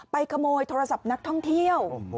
ขโมยโทรศัพท์นักท่องเที่ยว